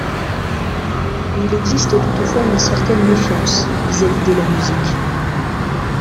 Il existe toutefois une certaine méfiance vis-à-vis de la musique.